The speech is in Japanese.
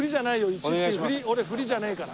１って俺フリじゃねえから。